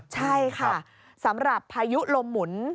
ใช่ค่ะสำหรับพายุลมหมุน